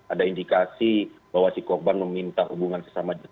ada indikasi bahwa si korban meminta hubungan sesama